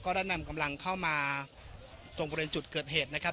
ได้นำกำลังเข้ามาตรงบริเวณจุดเกิดเหตุนะครับ